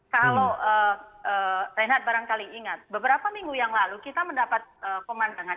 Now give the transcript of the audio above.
kalau renat barangkali ingat beberapa minggu yang lalu kita mendapat pemandangan